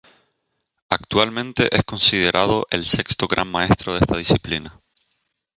Actualmente es considerado el sexto gran maestro de esta disciplina.